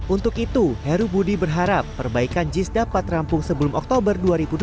untuk itu heru budi berharap perbaikan jis dapat rampung sebelum oktober dua ribu dua puluh